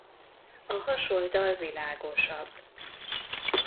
A hasoldal világosabb.